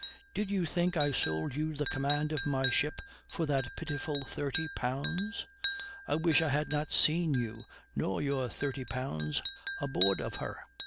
Did you think I sold you the command of my ship for that pitiful thirty pounds? I wish I had not seen you nor your thirty pounds aboard of her."